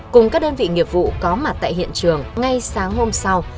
cùng các đơn vị nghiệp vụ có mặt tại hiện trường ngay sáng hôm sau